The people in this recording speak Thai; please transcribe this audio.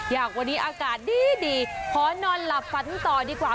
อยากวันนี้อากาศดีขอนอนหลับฝันต่อดีกว่า